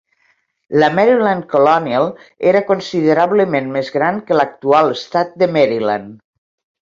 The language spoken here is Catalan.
La Maryland colonial era considerablement més gran que l'actual estat de Maryland.